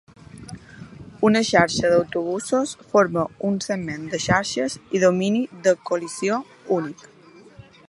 Una xarxa d'autobusos forma un segment de xarxa i domini de col·lisió únic.